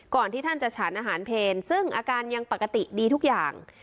ที่ท่านจะฉานอาหารเพลซึ่งอาการยังปกติดีทุกอย่าง